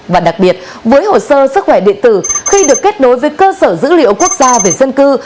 và đặc biệt với hồ sơ sức khỏe điện tử khi được kết nối với cơ sở dữ liệu quốc gia về dân cư